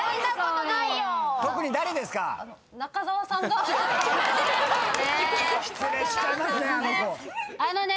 あのね。